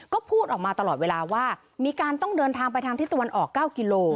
ก็พูดออกมาตลอดเวลาว่ามีการต้องเดินทางไปทางทิศตะวันออก๙กิโล